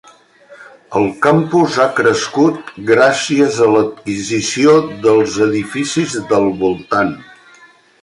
El campus ha crescut gràcies a l'adquisició dels edificis del voltant.